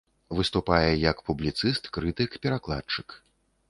Выступае як публіцыст, крытык, перакладчык.